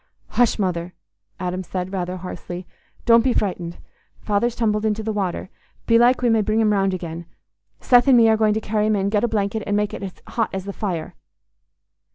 "Hush, Mother," Adam said, rather hoarsely, "don't be frightened. Father's tumbled into the water. Belike we may bring him round again. Seth and me are going to carry him in. Get a blanket and make it hot as the fire."